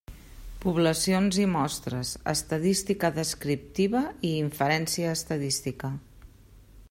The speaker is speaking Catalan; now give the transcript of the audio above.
Poblacions i mostres: estadística descriptiva i inferència estadística.